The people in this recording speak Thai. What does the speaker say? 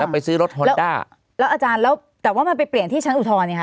แล้วไปซื้อรถแล้วแล้วอาจารย์แล้วแต่ว่ามันไปเปลี่ยนที่ชั้นอุทธรณ์เนี้ยฮะ